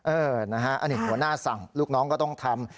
นะฮะอันนี้หัวหน้าสั่งลูกน้องก็ต้องทำ